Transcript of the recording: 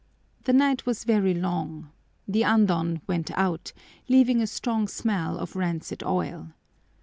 The night was very long. The andon went out, leaving a strong smell of rancid oil.